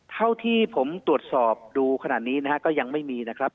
เท่าที่ผมตรวจสอบดูขนาดนี้นะฮะก็ยังไม่มีนะครับ